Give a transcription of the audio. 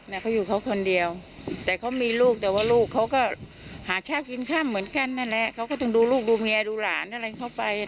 แม่เค้าอยู่เค้าคนเดียวแต่เค้ามีลูก